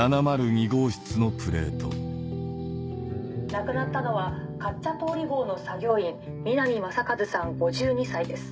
亡くなったのはカッチャトーリ号の作業員南雅和さん５２歳です。